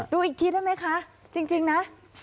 ดูอีกทีได้ไหมคะจริงนะ